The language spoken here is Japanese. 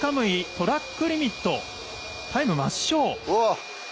トラックリミットタイム抹消。